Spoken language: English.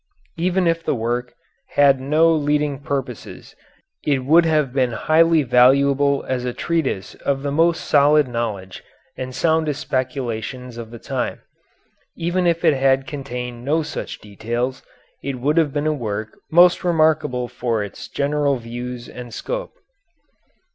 Even if the work had no leading purposes it would have been highly valuable as a treasure of the most solid knowledge and soundest speculations of the time; even if it had contained no such details it would have been a work most remarkable for its general views and scope.